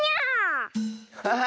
ハハハ！